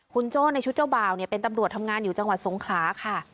คุณโจ้ในชุดเจ้าบ่าวเป็นตำรวจทำงานอยู่จังหวัดสงขลาค่ะ